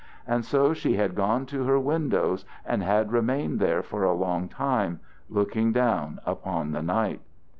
And so she had gone to her windows and had remained there for a long time looking out upon the night.